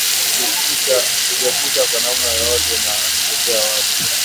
kujiepusha kwa namna yoyote na kuchochea watu